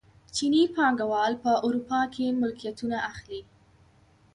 چیني پانګوال په اروپا کې ملکیتونه اخلي.